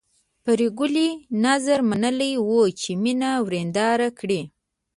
پري ګلې نذر منلی و چې مینه ورېنداره کړي